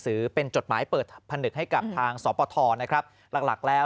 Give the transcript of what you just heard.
ถือเป็นจดหมายเปิดผนึกให้กับทางสปทนะครับหลักหลักแล้ว